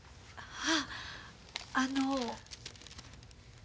はああの。